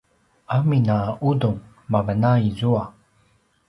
amin a ’udung mavan a izua